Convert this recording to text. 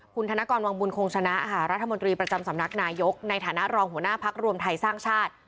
คุณธนกรวังบุญคงชนะค่ะรัฐมนตรีประจำสำนักนายกในฐานะรองหัวหน้าพักรวมไทยสร้างชาติ